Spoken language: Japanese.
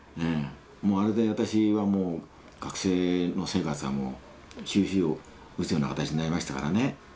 もうあれで私はもう学生の生活はもう終止符を打つような形になりましたからね。